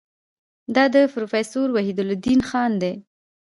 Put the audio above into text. دا د پروفیسور وحیدالدین خان دی.